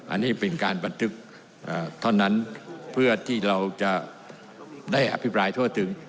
อันนี้เป็นการบันทึกเท่านั้นเพื่อที่เราจะได้อภิปรายทั่วถึง